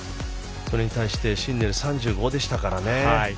それに対してシンネル３５でしたからね。